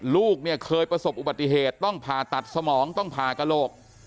ลูกเนี่ยเคยประสบอุบัติเหตุต้องผ่าตัดสมองต้องผ่ากระโหลก